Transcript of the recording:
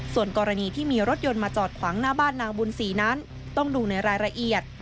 ส่วนกรณีที่มีรถยนต์มาจอดขวางหน้าบ้านนางบุญศรีนั้นต้องดูในรายละเอียด